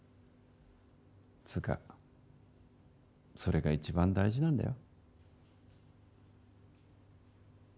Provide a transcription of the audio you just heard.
つうかそれが一番大事なんだよ。